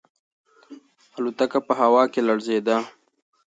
الوتکه په هوا کې لړزیده.